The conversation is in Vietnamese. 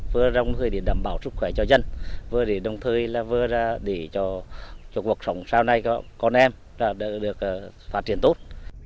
vừa rồng gửi để đảm bảo sức khỏe cho dân vừa để đồng thời là vừa ra để cho cuộc sống sau này của con em được phát triển tốt